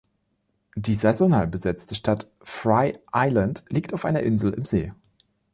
Die saisonal besetzte Stadt Frye Island liegt auf einer Insel im See.